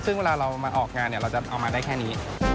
ซึ่งเวลาเรามาออกงานเนี่ยเราจะเอามาได้แค่นี้